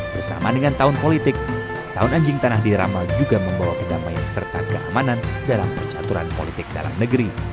bersama dengan tahun politik tahun anjing tanah diramal juga membawa kedamaian serta keamanan dalam percaturan politik dalam negeri